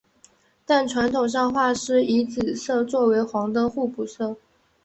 但传统上画师以紫色作为黄的互补色。